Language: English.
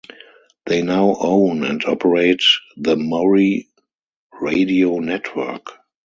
They now own and operate the Murri radio network.